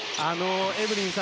エブリンさ